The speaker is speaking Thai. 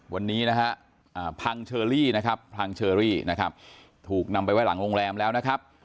วันนี้นะฮะพังเชอรี่นะครับพังเชอรี่นะครับถูกนำไปไว้หลังโรงแรมแล้วนะครับ